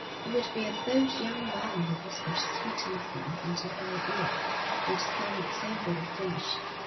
It would be a bold young man who whispered sweet nothings into her ear; they'd sound so very foolish.'